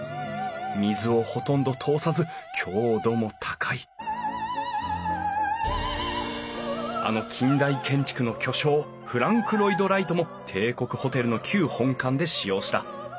水をほとんど通さず強度も高いあの近代建築の巨匠フランク・ロイド・ライトも帝国ホテルの旧本館で使用した。